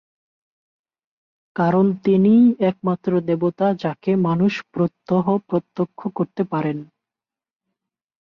কারণ তিনিই একমাত্র দেবতা যাঁকে মানুষ প্রত্যহ প্রত্যক্ষ করতে পারেন।